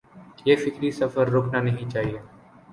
یہ فکری سفر رکنا نہیں چاہیے۔